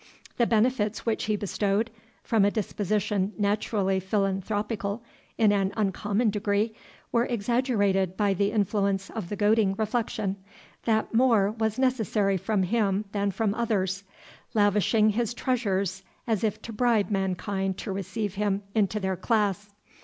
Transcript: The benefits which he bestowed, from a disposition naturally philanthropical in an uncommon degree, were exaggerated by the influence of the goading reflection, that more was necessary from him than from others, lavishing his treasures as if to bribe mankind to receive him into their class.